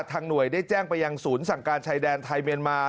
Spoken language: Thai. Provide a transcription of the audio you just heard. หน่วยได้แจ้งไปยังศูนย์สั่งการชายแดนไทยเมียนมา